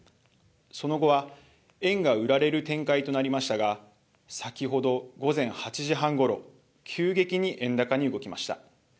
その後は円が売られる展開となりましたが先ほど午前８時半ごろ、急激に円高に動きました。